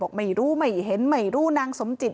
บอกไม่รู้ไม่เห็นไม่รู้นางสมจิต